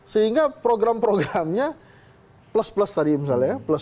sehingga program programnya plus plus tadi misalnya ya